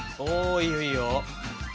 いいよいいよ。